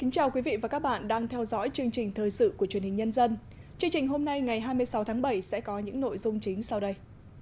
chương trình hôm nay ngày hai mươi sáu tháng bảy sẽ có những nội dung chính sau đây